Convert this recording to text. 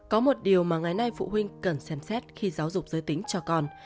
có một điều mà ngày nay phụ huynh cần xem xét khi giáo dục giới tính cho con